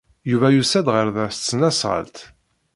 Yuba yusa-d ɣer da s tesnasɣalt.